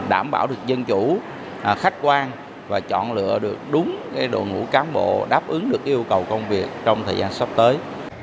đảm bảo được dân chủ khách quan và chọn lựa được đúng đội ngũ cán bộ đáp ứng được yêu cầu công việc trong thời gian sắp tới